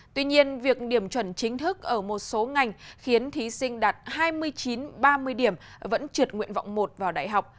tuy nhiên việc điểm chuẩn chính thức ở một số ngành khiến thí sinh đạt hai mươi chín ba mươi điểm vẫn trượt nguyện vọng một vào đại học